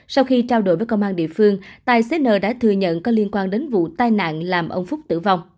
sau khi trao đổi với công an địa phương tài xế n đã thừa nhận có liên quan đến vụ tai nạn làm ông phúc tử vong